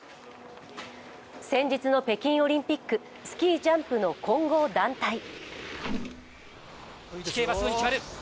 先日の北京オリンピックスキージャンプの混合団体。